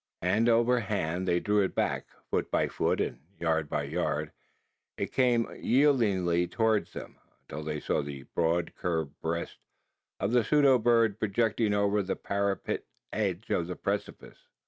Hand over hand, they drew it back: foot by foot, and yard by yard, it came yieldingly towards them until they saw the broad curving breast of the pseudo bird projecting over the parapet edge of the precipice!